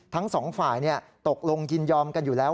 ทั้งสองฝ่ายตกลงยินยอมกันอยู่แล้ว